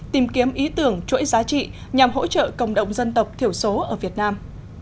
tìm kiếm ý tưởng chuỗi giá trị nhằm hỗ trợ cộng đồng dân tộc thiểu số ở việt nam